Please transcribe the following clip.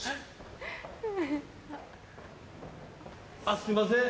あっすいません。